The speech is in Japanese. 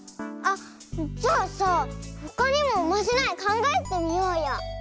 あっじゃあさほかにもおまじないかんがえてみようよ。